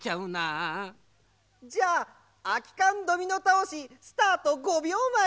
じゃああきかんドミノたおしスタート５びょうまえ。